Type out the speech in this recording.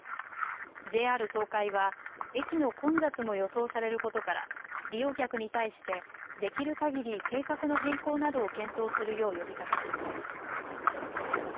ＪＲ東海は駅の混雑も予想されることから利用客に対してできるかぎり計画の変更などを検討するよう呼びかけています。